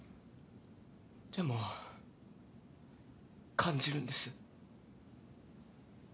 でも感じるんです。